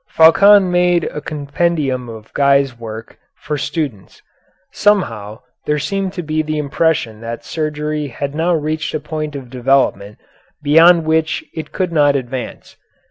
Faucon made a compendium of Guy's work for students. Somehow there seemed to be the impression that surgery had now reached a point of development beyond which it could not advance.